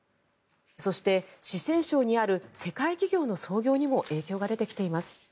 そして、四川省にある世界企業の創業にも影響が出てきています。